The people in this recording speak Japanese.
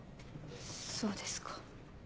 そうですか。